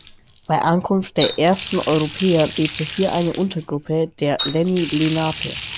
Bei Ankunft der ersten Europäer lebte hier eine Untergruppe der Lenni Lenape.